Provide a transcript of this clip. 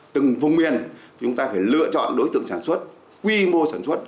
từng vùng miền chúng ta phải lựa chọn đối tượng sản xuất quy mô sản xuất